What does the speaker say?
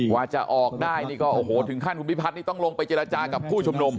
ว่าจะออกได้นี่ก็โอ้โหถึงขั้นคุณพิพัฒน์นี่ต้องลงไปเจรจากับผู้ชุมนุม